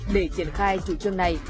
để triển khai chủ trương này